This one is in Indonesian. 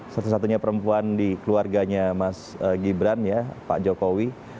satu satunya perempuan di keluarganya mas gibran ya pak jokowi